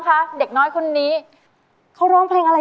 โปรดติดตามต่อไป